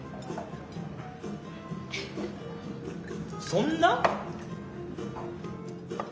そんな？